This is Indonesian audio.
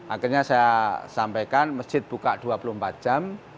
akhirnya saya sampaikan masjid buka dua puluh empat jam